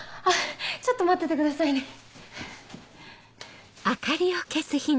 ちょっと待っててくださいね。